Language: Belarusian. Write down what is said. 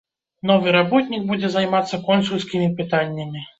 Новы работнік будзе займацца консульскімі пытаннямі.